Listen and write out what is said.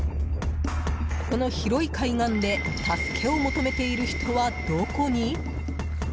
この広い海岸で助けを求めている人はどこに？